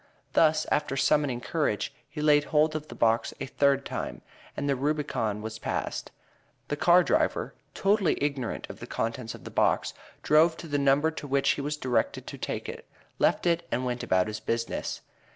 Thus, after summoning courage, he laid hold of the box a third time, and the Rubicon was passed. The car driver, totally ignorant of the contents of the box, drove to the number to which he was directed to take it left it and went about his business.